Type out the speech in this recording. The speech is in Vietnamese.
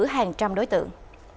hàng trăm đối tượng